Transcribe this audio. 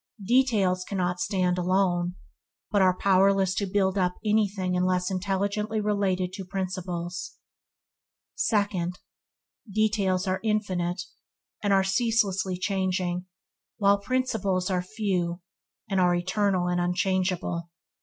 Details cannot stand alone, but are powerless to build up anything unless intelligently related to principles. Second. Details are infinite, and are ceaselessly changing, while principles are few, and are eternal and unchangeable.